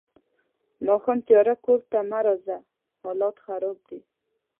ماښام تیارۀ کور ته مه راځه حالات خراب دي.